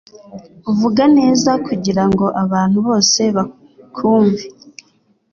Vuga neza kugirango abantu bose bakwumve